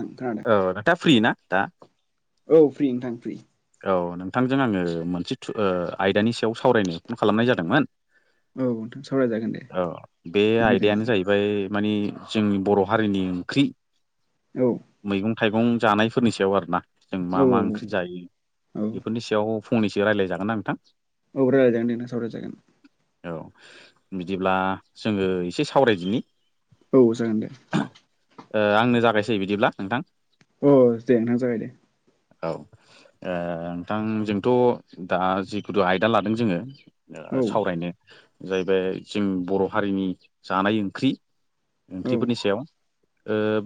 ओं खोनादों औ नोंथाङा फ्रि ना दा। औ फ्रि नोंथां फ्रि। औ नोंथांजों आङो मोनसे थु ओ आयदानि सायाव सावरायनो फन खालामनाय जादोंमोन। नोंथां सावरायजागोन दे औ बे उसुबिदा आयदायानो गैया जाहैबाय माने जोंनि बर' हारिनि ओंख्रि औ। मैगं थाइगं जानायफोरनि सायाव आरोना जों औ मा मा ओंख्रि जायो औ बेफोरनि सायाव फंनैसो रायलायजागोन ना नोंथां। औ रायलायजागोन दे नोंथां सावरायजागोन औ बिदिब्ला जोङो एसे सावरायदिनि औ जागोन दे। ओ आंनो जागायसै बिदिब्ला नोंथां। अ दे नों जागाय दो। औ ओ नोंथां जोंथ' दा जिथु आयदा लादों जोङो औ सावरायनो जाहैबाय जों बर' हारिनि जानाय ओंख्रि औ ओंख्रिफोरनि सायाव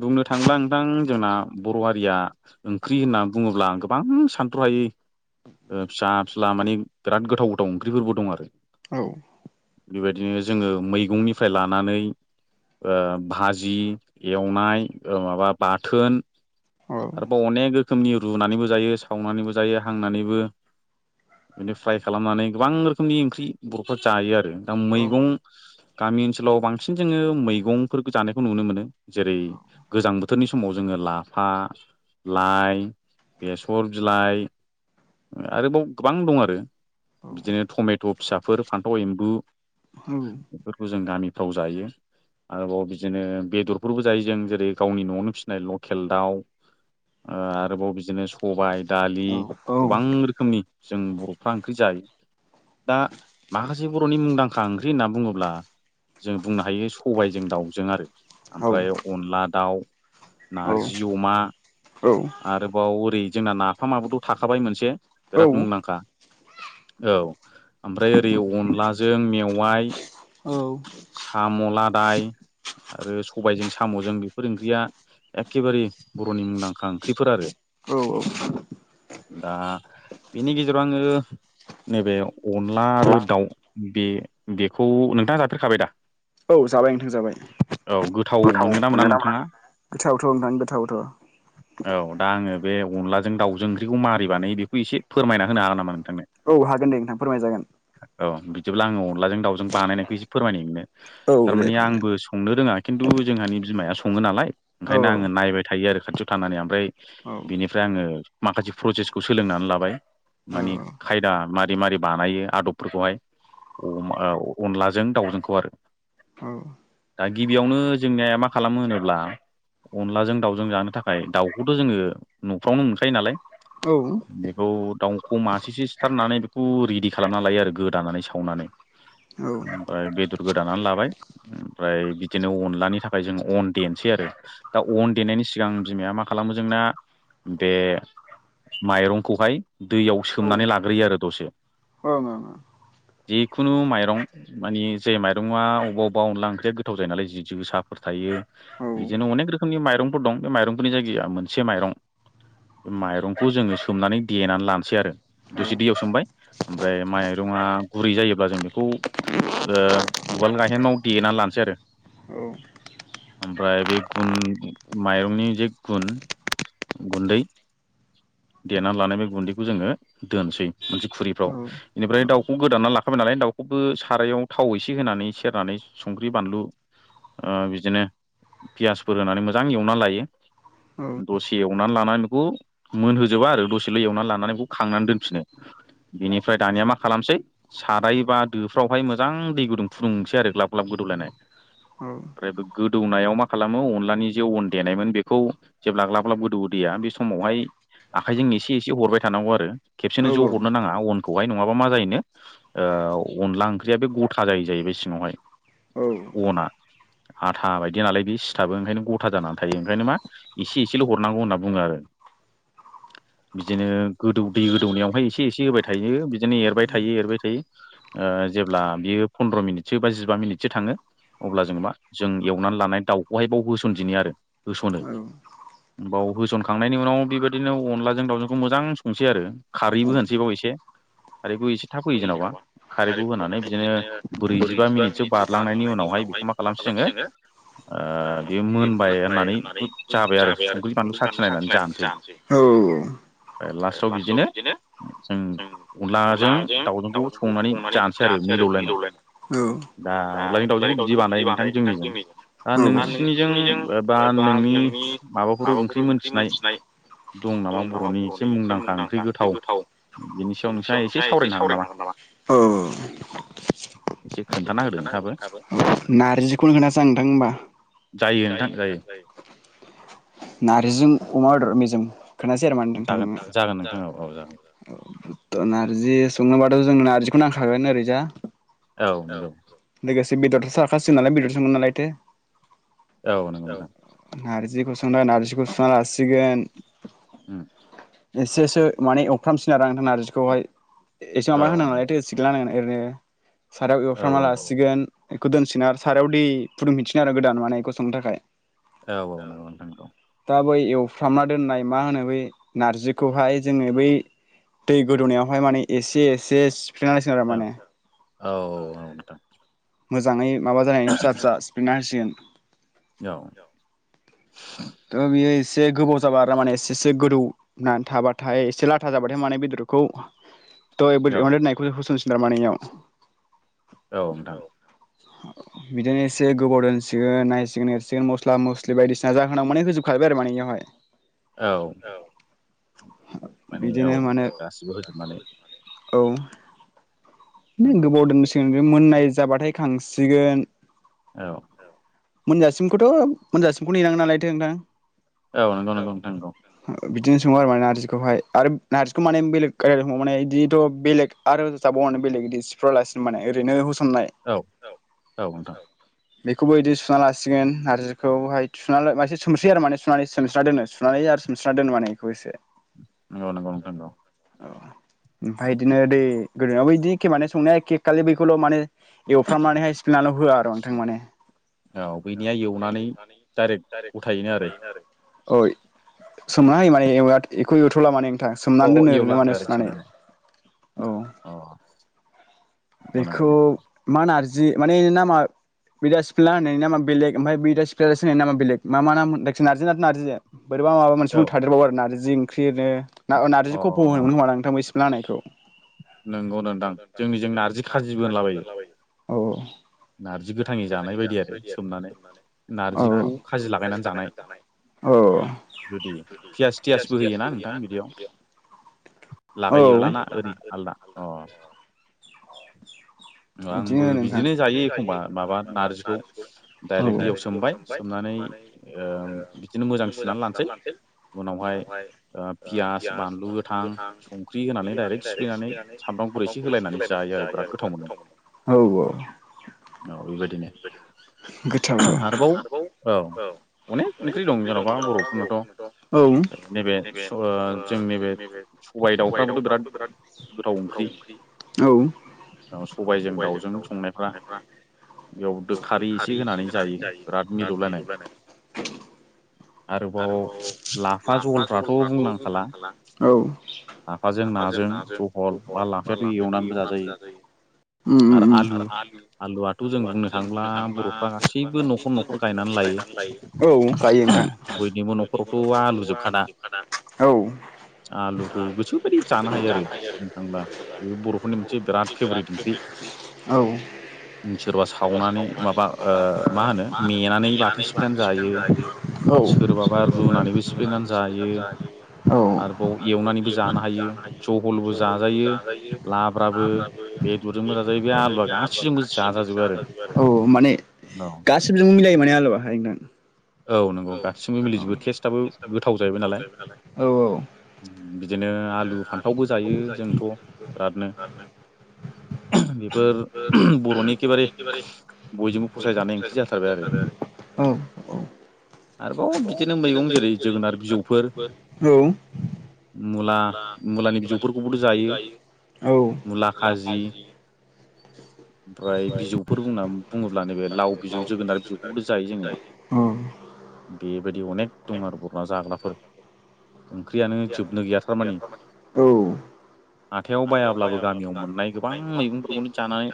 बुंनो ओ थाङोब्ला नोंथां जोंना बर' हारिया ओंख्रि होननानै बुङोब्ला गोबां सान थ्रहायि फिसा फिला माने बिराद गोथाव गोथाव ओंख्रिफोरबो दं आरो। औ बेबायदिनो जोङो मैगंनिफ्राय लानानै ओ भाजि एवनाय माबा बाथोन आरोबाव अनेक रोखोमनि रुनानैबो जायो सावनानैबो जायो हांनानैबो बिनि फ्राय खालामनानै गोबां रोखोमनि ओंख्रि बर'फोरा जायो आरो दा औ मैगं गामि ओनसोलाव बांसिन जोङो मैगंफोर जानायखौ नुनो मोनो जेरै गोजां बोथोरनि समाव जोङो लाफा लाय बेस सर बिलाइ आरोबाव गोबां दं आरो बिदिनो टमेट' फिसाफोर फान्थाव एम्बु औ बेफोरखौ जों गामिफ्राव जायो। आरोबाव बिदिनो बेदरफोरबो जायो जों जेरै गावनि न'आवनो फिसिनाय लकेल दाउ आरोबाव बिदिनो सबाय दालि गोबां रोखोमनि जों बर'फ्रा ओंख्रि जायो। दा माखासे बर'नि मुंदांखा ओंख्रि होनना बुङोब्ला जों बुंनो हायो सबायजों दाउजों आरो ओमफ्राय अनला दाउ नारजि अमा आरोबाव ओरै जोंना नाफामाबोथ' थाखाबाय मोनसे बिराद मुंदांखा औ ओमफ्राय ओरै अनलाजों मेवाइ साम लादाय आरो सबायजों साम'जों बेफोर ओंख्रिया एखेबारे बर'नि मुंदांखा ओंख्रिफोर आरो। औ औ दा बिनि गेजेराव आङो नैबे अनला आरो दाउ बे बेखौ नोंथाङा जाफेरखाबाय दा औ जाबाय नोंथां जाबाय। गोथाव मोनो ना मोना नोंथाङा? औ दा आङो बे अनलाजों दावउजों ओंख्रिखौ मारै बानायो बेखौ एसे फोरमायना होनो हागोन नामा? नोंथांनो? औ हागोन दे नोंथां फोरमाय जागोन। औ बिदिब्ला आङो अनलाजों दावजों बानायनायखौ इसे फोरमायनाय नोंनो औ दे थारमाने फोरमायजागोन आंबो संनो रोङा खिन्थु जोंहानि बिमाया सङो नालाय औ ओंखायनो आङो नायबाय थायो आरो खाथियाव थानानै ओमफ्राय औ बिनिफ्राय आङो माखासे प्रसेसखौ सोलोंनानै लाबाय औ माने खायदा म मारै मारै बानायो आदबफोरखौहाय अनलाजों दाउजोंखौ आरो दा गिबियावनो जोंनिया मा खालामो होनोब्ला अनलाजों दाउजों जानो थाखाय दाउखौथ' जोङो न'फ्रावनो मोनखायो नालाय औ बेखौ दाउखौ मासेसो सिथारनानै बेखौ रेडि खालामना लायो आरो गोदानानै सावनानै ओमफ्राय बेदर गोदानानानै लाबाय ओमफ्राय बिदिनो अनलानि थाखाय जों अन देननोसै आरो दा अन देनायनि सिगां बिमाया मा खालामो जोंना बे माइरंखौहाय दैयाव सोमनानै लाग्रोयो आरो दसे औ जिखुनु माइरं माने जे माइरङआ अबेबा अबेबा अनला ओंख्रिया गोथाव जाया नालाय जि ज जोसाफोर थायो। औ थायो औ बिदिनो अनेक रोखोमनि माइरंफोर दं बे माइरंफोरनि जायगाया मोनसे माइरं बे माइरंखौ जोङो सोमनानै देनानै लानोसै आरो आं दुसे दैयाव सोमबाय ओमफ्राय माइरङा गुरै जायोब्ला जों बेखौ ओ उवाल गायेनाव देनानै लानोसै आरो। ओमफ्राय बे गुन माइरंनि जे गुन गुन्दै देनानै लानाय बे गुन्दैखौ जोङो दोनसै मोनसे खुरिफ्राव बेनिफ्राय दाउखौ गोदाना लाख नालाय दाउखौबो सारायाव थाव एसे होनानै सेरनानै संख्रि बानलु बिदिनो पियास फोर होनानै मोजां एवना लायो दसे एवनानै लानानै बेखौ मोनहो जोबा आरो दसेल' एवनानै लानानै बेखौ खांनानै दोनफिनो। बेनिफ्राय दानिया मा खालामसै साराय बा दो फ्रावहाय मोजां दै गुदुं फुदुंसै आरो ग्लाब ग्लाब गुद दैलायनाय [inaudible] ओमफ्रायबो गोदौनायाव मा खालामो अनलानि जे अन देनायमोन बेखौ जेब्ला अब्ला गोदौ गदैया बे समावहाय आखाइजों एसे एसे हरबाय थानांगौ आरो खेबसेनो ज' हरनो नाङा अन खौहाय नङाबा मा जायोनो ओ अनला ओंख्रिया बे गथा जायो जाहै बाय सिङावहाय। नोंसिनिजों अना आथा बायदि नालाय बे सिथाबो ओंखायनो गथा जानानै थायो ओंखायनो मा एसे एल' हरनांगौ होनना बुङो आरो। [unintelligible] बिदिनो गोदौ दै गोदौ नायाव हाय एसे एसे होबाय थायो बिदिनो एरबाय थायो एरबाय थायो ओ जेब्ला बियो पन्द्र मिनिट सो बा जिबा मिनिट सो थाङो। अब्ला जों मा जों एवनानै लानाय दाउखौ हाय बाव होसन दिनि आरो होसनो। बाव होसन खांनायनि उनाव बेबायदिनो अनला जों दाउजों खौ मोजां संसै आरो खारैबो होनसै बाव एसे खारैखौ एसे थाब होयो जेन'बा खारैखौ होनानै बिदिनो ब्रै जिबा मिनिट सो बारलां नायनि उनाव हाय बेखौ मा खालामसै जोङो ओ बेयो मोनबाय होननानै जाबाय आरो संख्रि बानलु साखिनाय नानै जानोसै फ्राय लास्टाव बिदिनो जों अनला जों दावजोंखौ संनानै जानोसै आरो मिलौ लायनाय दा अनलानि दाउजोंखौ बिदि बानाय नोंथां जोंनिजों। दा नोंसिनिजों बा नोंनि माबाफोर ओंख्रि मोनथिनाय दं नामा बर'नि एसे मुंदांखा ओंख्रि गोथाव बेनि सायाव नोंसा एसे साव एसे सावरायनो हागोन नामा? औ एसे खोन्थाना होदो नोथाङाबो नारजि खौनो खोथानोसै आं नोंथां होमबा। जायो नाथाय, नारजिजों अमा बेदर मेजेम खोनथासै आरो माने नोंथां जागोन जागोन नोंथां औ औ जागोन जागोन [unintelligible] नांखागोन ओरैजा औ नंगौ। लोगोसे बेदरसो जाखासिगोन नालाय बेदरसो मोन नालायथो औ नंगौ [unintelligible] नोंथां औ नारजिखौ संनो नारजिखौ सुना लासिगोन होम एसेसो माने अफ्रामसिन आरो आ नोंथां नारजिखौ हाय एसे औ मा होनो नालाय नंगौ थो सिग्ला नांगोन [unintelligible] ओरैनो सारायाव औ एवफ्रामना लासिगोन बेखौ दोनसिना आरो सारायाव दै फुदुम फिनसिगोन आरो गोदान माने बेखौ संनो थाखाय। औ औ नंगौ नोंथां नंगौ। दै एवफ्रामना दोननाय मा होनो बै नारजिखौ हाय जोङो बै दै गोदौ नायावहाय माने एसे एसे सिफ्लेना होसिगोन आरो माने औ औ औ। नोंथां मोजाङै माबा जानायनि फिसा फिसा सिफ्रिना होसिगोन। औ [inaudible] थ' बियो एसे गोबाव जाबा आरो माने एसे एसे गोदौ नानै थाबाथाय एसे लाथा जाबाथाय माने बेदरखौ थ' दोनायखौ होसनसै थारमानि बेयाव औ औ नोंथां [unintelligible] बिदिनो एसे गोबाव दोनसिगोन नायसिगोन एरसिगोन मस्ला मस्लि बायदिसिना जाहोनाव माने होजोबखाबाय आरो माने। इयावहाय। औ माने औ बिदिनो माने गासिबो होजोबनानै। औ नों नंगौ गोबाव दोनसिगोन मोननाय जाबाथाय खांसिगोन औ मोनजासिमखौथ' मोनजासिमखौ नेनांगोन नालायथो नोंथां। औ नांगौ नांगौ नोंथां नंगौ। बिदिनो सङो आरो माने नारजिखौहाय आरो नारजिखौ माने बेलेग गायायाव स माने बिदिथ' बेलेग आरो ज [unintelligible] फावनो बेलेग गदिर सिफावलासिनो माने ओरैनो होसननाय औ नोंथां। बेखौबो बिदि सुना लासिगोन नारजिखौहाय सोमस्रियो आरो माने सुनानै सोमसना दोनो सुनानै [unintelligible] रो सोमस्रा दोनो माने बेखौ एसे नंगौ नंगौ नोंथां नंगौ। औ ओमफ्राय बिदिनो दै गोदोबा बैदि एखे मानि संनाया एखे खालि बैखौल' माने एवफ्रामनानैहाय सिफ्लिनानैल' हो आरो नोंथां माने औ बैनिया एवनानै डाइरेक्ट गथायैनो आरो औ सोमनाहाय माने एखौ एवथ'ला माने अ सोमनानै अ दोनो एवला ओरैनो माने डाइरेक्ट सुनानै संनानै औ। अ नंगौ नंगौ बेखौ नोंथां मा नारजि माने ना मा बिदा सिफ्ला होनायनि नामा बेलेग ओमफ्राय बिदा सिफ्लियालासे होनाया नामा बेलेक मा मा नाम नारिज नालाय नारजि दे। बोरैबा माबा मोनसे औ मुं थादेरबावो आरो नारजि ओंख्रिनो अ नारिजखौफ' होनोमोन होनबा नोंथां बैै सिफ्लिना होनायखौ। नंगौनोदां जोंनि जोंनि जों नारजि खाजिबो होनला बायो औ औ। नारजि गोथाङै जानाय बायदि आरो सोमनानै। औ नारजिखौ खाजि लागायनानै जानाय। औ जुदि पियास थियासबो होयोना नोंथां बिदियाव लागायोब्लाना ओरैनो आलदा अ आंबो बिदिनो जायो एखमबा माबा नारजिखौ डाइरेक्ट दैयाव सोमबाय सोमनानै ओ बिदिनो मोजां सुनानै लानोसै उनावहाय पियास बानलु गोथां संख्रि होनानै दाइरेक्ट सिफ्लेनानै सामब्राम गु फुर होलायनानै जायो आरो बिराद गोथाव मोनो औ औ। औ बेबायदिनो गोथावथ' आरोबाव औ। अनेक ओंख्रि दं जेन'बा बर'फोरनावथ' औ नैबे जों नैबे सबाय दाावफ्राबोथ' बिराद गोथाव ओंख्रि। औ सबायजों दाउजों संनायफ्रा बेयाव खारै एसे होनानै जायो बिराद मिलौलायनाय। आरोबाव लाफा जहलफ्राथ' बुंनांखाला औ। लाफाजों नाजों जहल बा लाफायाथ' एवनानैबो एवनानै जाजायो जायो उम उम उम। आलु आलुवाथ' जों बुंनो थांला बर'फ्रा गासैबो न'खर न'खर गायनानै लायो औ। गायो नोंथां बयनिबो नख'रावथ' आलुजोबखाना औ। आलुखौ गोसोबादि गोसोबायदि जानो आरो हायो बुंनो थांब्ला आरो जेनेबा बे बर'फोरनि मोनसे बिराद ओंख्रि फेभरेट बेराद ओंख्रि फेब्रिद ओंख्रि औ। सोरबा सावनानै माबा मा होनो मेनानै बाथोन सिफ्लेनानै जायो औ सोरबाबा रुनानैबो सिफ्लेनानै जायो, आरोबाव एवनानैबो जानो हायो। जहलबो जाजायो, लाब्राबो, बेदरजों मोजां जायो बे आलुवा औ माने औ गासिबजोंबो मिलायो माने आलुवाहाय नोंथां। औ गासिबजोंबो मिलिजोबो टेस्टआबो गोथाव जाहैबाय नालाय औ औ। बिदिनो आलु फान्थावबो जायो जोंथ' बिरादनो। [inaudible] बेफोर बर'नि एखेबारे बयजोंबो फसायजानाय ओंख्रि जाथारबाय आरो औ औ। आरोबाव औ मैगं बिदिनो जोगोनार जेरै बिजौफोर जोगोनार बिजौफोर औ मुला मुलानि बिगुरफोरखौबो जायो औ मुला खाजि [inaudible] ओमफ्राय बिजौफोर बुंनानै बुङोब्ला नैबे लाव बिजौ जोगोनार बिजौखौबोथ' जायो जोङो। बेबायदि अनेक दं आरो बर'ना जाग्राफोर। ओंख्रियानो जोबनो गैया थारमाने। औ औ हाथायाव बायाब्लाबो गामियाव मोननाय गोबां मैगंफोरखौनो जानानै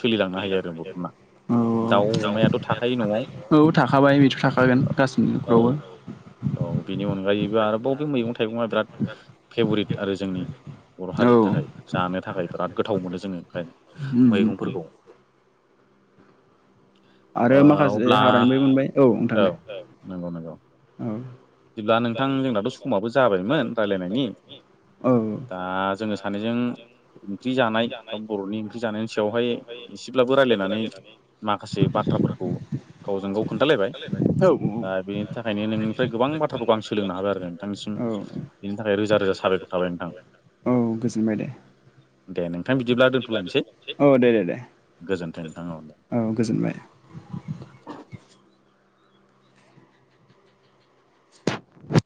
सोलिलांनो हायो आरो बर'ना दाउ अमायाथ' थाखायो न'आव औ औ थाखाबाय बेथ' थाखागोन गासिबनि औ न'खरावबो औ बेनि अनगायैबो आरोबाव बे मैगं थाइगं आ बिराद फेभरिट आरो जोंनि बर' हारिनि औ थाखाय जानो थाखाय बिराद गोथाव मोनो जोङो आमफ्राय [unintelligible] आरो ओ माखासे अब्ला हाग्रानिफाय मोनबाय। औ नोंथां दे नंगौ नंगौ औ बिदिब्ला नोंथां जोंनाथ' समाबो जाबायमोन राय्लायनायनि औ दा जोङो सानैजों ओंख्रि जानाय बर'नि ओंख्रि जानायनि सायावहाय एसेब्लाबो रायज्लायनानै माखासे बाथ्राफोरखौ गावजों गाव खोन्थालायबाय दा औ बेनि थाखायनो नोंनिफ्राय गोबां बाथ्राफोरखौ आं सोलोंनो हाबाय आरो नोंथांनिसिम औ बिनि थाखाय रोजा रोजा साबायखर थाबाय नोंथां औ गोजोनबाय दे । नोंथां बिदिब्ला दोनथ'नोसै ।अ दे दे दे गोजोन्थों नोंथां [unintelligible] औ गोजोनबाय